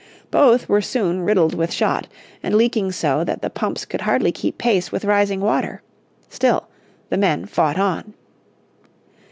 Both were soon riddled with shot, and leaking so that the pumps could hardly keep pace with rising water. Still the men fought on.